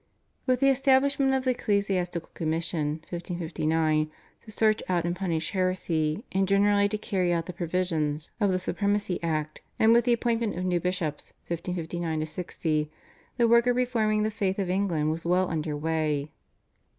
With the establishment of the ecclesiastical commission (1559) to search out and punish heresy and generally to carry out the provisions of the Supremacy Act, and with the appointment of new bishops (1559 60) the work of reforming the faith of England was well under way.